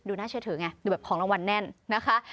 น่าเชื่อถือไงดูแบบของรางวัลแน่นนะคะ